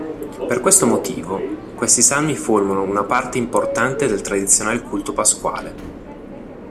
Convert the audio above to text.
Per questo motivo, questi salmi formano una parte importante del tradizionale culto pasquale.